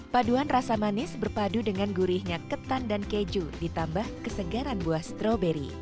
paduan rasa manis berpadu dengan gurihnya ketan dan keju ditambah kesegaran buah stroberi